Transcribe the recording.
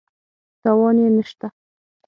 تاوان یې نه شته.